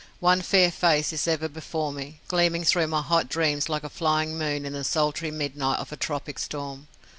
One fair face is ever before me, gleaming through my hot dreams like a flying moon in the sultry midnight of a tropic storm.